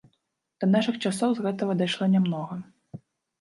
Да нашых часоў з гэтага дайшло нямнога.